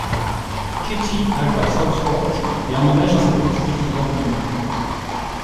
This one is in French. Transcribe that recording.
Katie arrive à Southport et emménage dans cette petite ville de bord de mer.